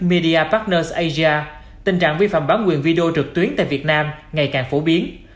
media partners asia tình trạng vi phạm bán quyền video trực tuyến tại việt nam ngày càng phổ biến